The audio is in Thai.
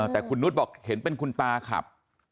แต่คุณนุษย์บอกเห็นเป็นคุณตาขับ